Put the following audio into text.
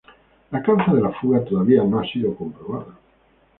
La causa de la fuga todavía no ha sido comprobada.